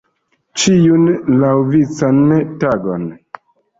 Ĉiun laŭvican tagon.